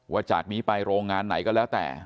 จากนี้ไปโรงงานไหนก็แล้วแต่